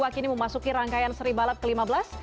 kini memasuki rangkaian seri balap ke lima belas